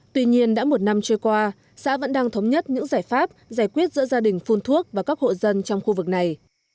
tuy nhiên đã một năm trôi qua xã vẫn đang thống nhất những giải pháp giải quyết giữa gia đình phun thuốc và các hộ dân trong khu vực này